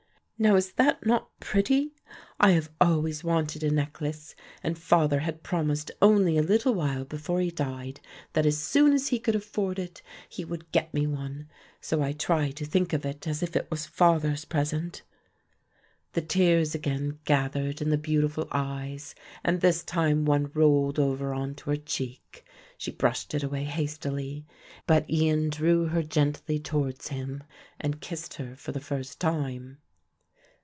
"Now is that not pretty? I have always wanted a necklace and father had promised only a little while before he died that as soon as he could afford it he would get me one; so I try to think of it as if it was father's present." The tears again gathered in the beautiful eyes and this time one rolled over on to her cheek. She brushed it away hastily; but Ian drew her gently towards him and kissed her for the first time.